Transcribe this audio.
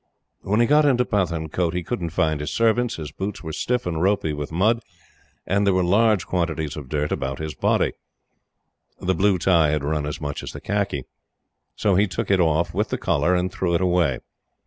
When he got into Pathankote, he couldn't find his servants, his boots were stiff and ropy with mud, and there were large quantities of dirt about his body. The blue tie had run as much as the khaki. So he took it off with the collar and threw it away.